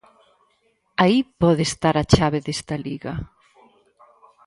Aí pode estar a chave desta Liga.